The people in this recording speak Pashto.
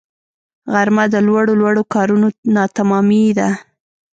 غرمه د لوړو لوړو کارونو ناتمامی ده